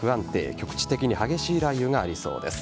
局地的に激しい雷雨がありそうです。